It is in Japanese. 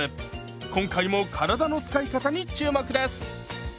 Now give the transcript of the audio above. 今回も体の使い方に注目です！